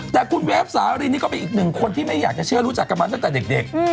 แต่คุณเวฟสารินนี่ก็เป็นอีกหนึ่งคนที่ไม่อยากจะเชื่อรู้จักกับมันตั้งแต่เด็ก